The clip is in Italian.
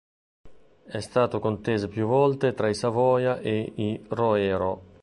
È stato conteso più volte tra i Savoia e i Roero.